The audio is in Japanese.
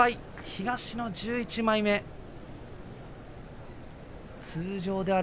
東の１１枚目です。